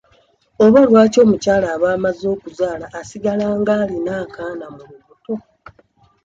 Oba lwaki omukyala aba amaze okuzaala asigala ng'alina akaana mu lubuto?